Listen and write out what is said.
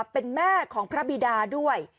เป็นแม่ของพระบิดาด้วย